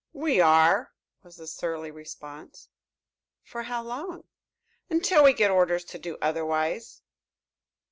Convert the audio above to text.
"We are," was the surly response. "For how long?" "Until we get orders to do otherwise."